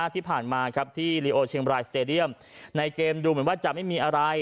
ที่ผ่านมาครับที่สเตรียมในเกมดูเหมือนว่าจะไม่มีอะไร